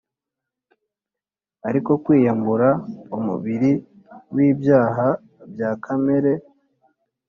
ari ko kwiyambura umubiri w’ibyaha bya kamere